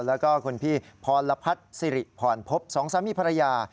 แล้วก็คุณพี่พรพัฒน์สิริพรพบสองสามีภรรยา